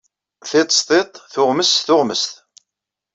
Tiṭ s tiṭ, tuɣmest s tuɣmest.